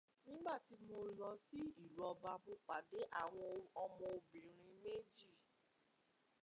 Nígbà tí mo lọ sí ìlú ọba, mo pàdé àwọn ọmọbìnrin méjì.